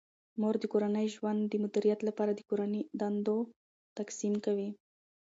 مور د کورني ژوند د مدیریت لپاره د کورني دندو تقسیم کوي.